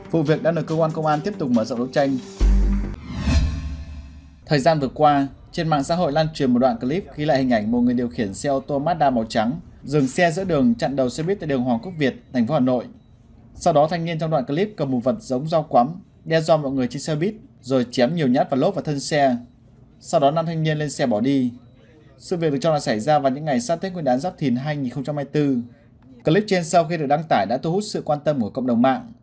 vụ việc đã được công an tp đà nẵng tiếp tục mở rộng đấu tranh